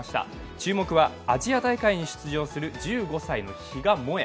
注目はアジア大会に出場する１５歳の比嘉もえ。